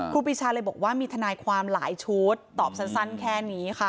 ครูปีชาเลยบอกว่ามีทนายความหลายชุดตอบสั้นแค่นี้ค่ะ